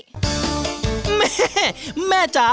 ทำงาน